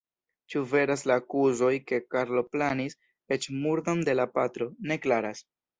Ĉu veras la akuzoj ke Karlo planis eĉ murdon de la patro, ne klaras.